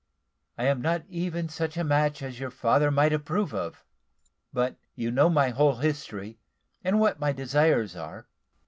I am not even such a match as your father might approve of; but you know my whole history, and what my desires are."